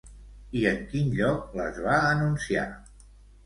I en quin lloc les va anunciar?